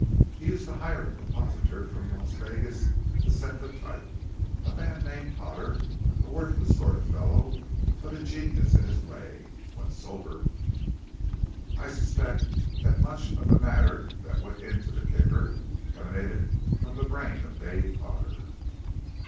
He used to hire a compositor from Las Vegas to set the type, a man named Potter a worthless sort of fellow, but a genius in his way when sober. I suspect that much of the matter that went into the Kicker emanated from the brain of Dave Potter."